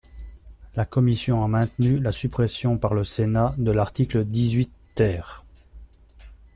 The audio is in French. La commission a maintenu la suppression par le Sénat de l’article dix-huit ter.